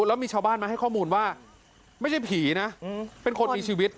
แล้วมีชาวบ้านมาให้ข้อมูลว่าไม่ใช่ผีนะเป็นคนมีชีวิต